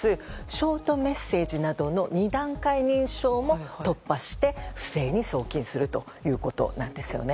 ショートメッセージなどの２段階認証も突破して不正に送金するということなんですよね。